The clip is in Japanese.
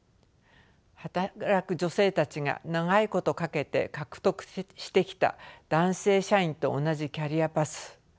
働く女性たちが長いことかけて獲得してきた男性社員と同じキャリアパス。